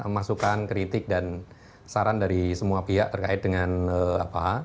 masukan kritik dan saran dari semua pihak terkait dengan apa